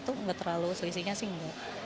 enggak terlalu selisihnya sih enggak